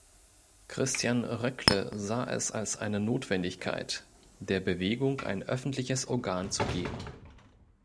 Christian Röckle sah es als eine Notwendigkeit, der Bewegung ein öffentliches Organ zu geben.